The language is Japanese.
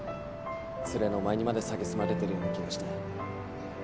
ツレのお前にまでさげすまれてるような気がして。